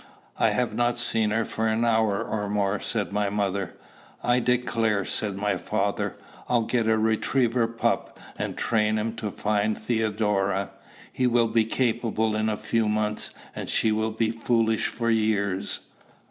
"I have not seen her for an hour or more," said my mother. "I declare," said my father, "I'll get a retriever pup, and train him to find Theodora. He will be capable in a few months, and she will be foolish for years."